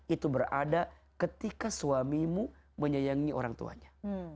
itu berada ketika suamimu menyayangi orang tuanya